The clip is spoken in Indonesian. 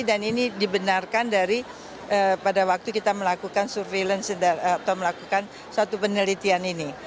dan ini dibenarkan dari pada waktu kita melakukan surveillance atau melakukan suatu penelitian ini